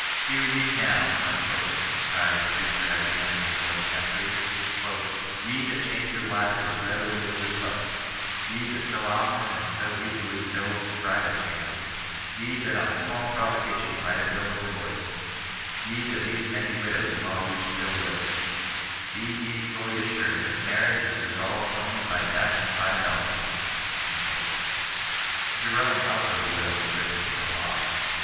"Hear ye now," cries a | preacher 2 at the end of the fourth century, "ye that change your wives as readily as your cloaks, ye that so often and so easily build bridal chambers, ye that on a small provocation write a bill of divorcement, ye that leave many widows while ye still live ; be ye fully assured that marriage is dissolved only by death and by adultery." Jerome also bewails the difference of the laws.